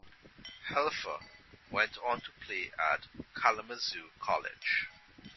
Helfer went on to play at Kalamazoo College.